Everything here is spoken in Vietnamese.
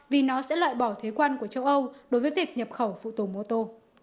vì nó sẽ lợi bỏ thuế quan của châu âu đối với việc nhập khẩu phụ tồn mô tô